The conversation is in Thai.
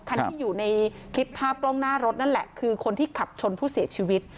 คันที่อยู่ในคลิปภาพกล้องหน้ารถนั่นแหละคือคนที่ขับชนผู้เสียชีวิต